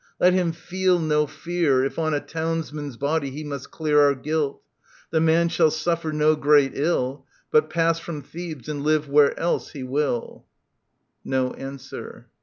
Let him feel no fear If on a townsman's body he must clear Our guilt : the man shall suffer no great ill. But pass from Thebes, and live where else he will. [No answer.